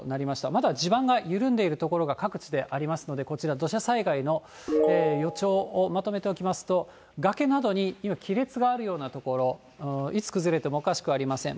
まだ地盤が緩んでいる所が各地でありますので、こちら土砂災害の予兆をまとめておきますと、崖などに今亀裂があるような所、いつ崩れてもおかしくありません。